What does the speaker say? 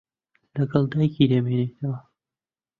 لەگەڵ دایکی دەمێنێتەوە.